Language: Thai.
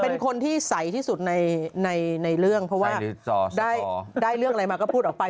เป็นคนที่ใสที่สุดในเรื่องเพราะว่าได้เรื่องอะไรมาก็พูดออกไป